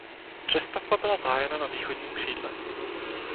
Přestavba byla zahájena na východním křídle.